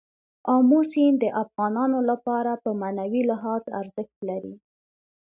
آمو سیند د افغانانو لپاره په معنوي لحاظ ارزښت لري.